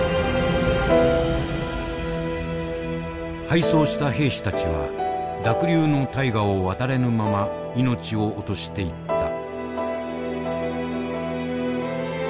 敗走した兵士たちは濁流の大河を渡れぬまま命を落としていった。